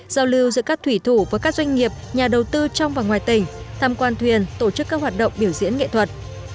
giao lưu giữa các thủy thủ với các doanh nghiệp nhà đầu tư trong và ngoài tỉnh tham quan thuyền tổ chức các hoạt động biểu diễn nghệ thuật